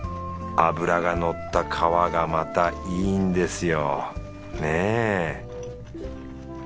脂がのった皮がまたいいんですよねぇ